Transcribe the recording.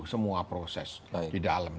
semua proses di dalam